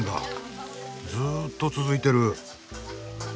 ずっと続いてる。